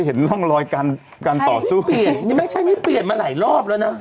เห็นร่องรอยการการต่อสู้เปลี่ยนนี่ไม่ใช่นี่เปลี่ยนมาหลายรอบแล้วนะ